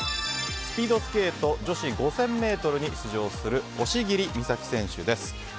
スピードスケート女子５０００ｍに出場する押切美沙紀選手です。